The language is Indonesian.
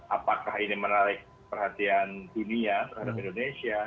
apakah ini menarik perhatian dunia terhadap indonesia